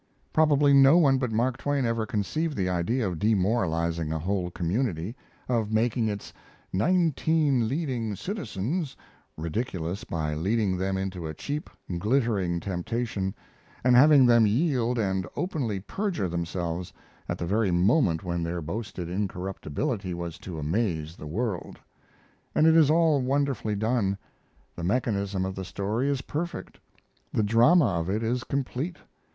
Probably no one but Mark Twain ever conceived the idea of demoralizing a whole community of making its "nineteen leading citizens" ridiculous by leading them into a cheap, glittering temptation, and having them yield and openly perjure themselves at the very moment when their boasted incorruptibility was to amaze the world. And it is all wonderfully done. The mechanism of the story is perfect, the drama of it is complete.